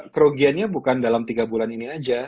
kerugiannya bukan dalam tiga bulan ini aja